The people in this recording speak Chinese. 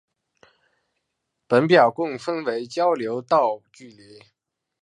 本表共分为交流道距离。